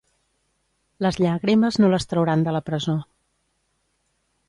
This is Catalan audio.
Les llàgrimes no les trauran de la presó.